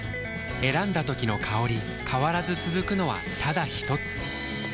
選んだ時の香り変わらず続くのはただひとつ？